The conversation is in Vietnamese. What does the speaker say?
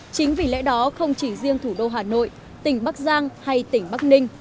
chính vì lẽ đó không chỉ riêng thủ đô hà nội tỉnh bắc giang hay tỉnh bắc ninh